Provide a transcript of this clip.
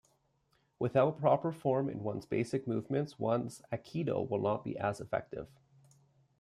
Without proper form in one's basic movements one's aikido will not be as effective.